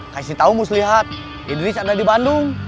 kasih tahu muslihat idris ada di bandung